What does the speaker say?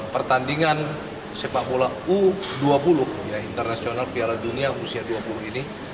pertandingan sepak bola u dua puluh ya internasional piala dunia usia dua puluh ini